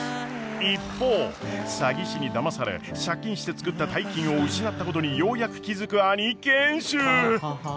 一方詐欺師にだまされ借金して作った大金を失ったことにようやく気付く兄賢秀。